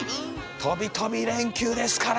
とびとび連休ですから！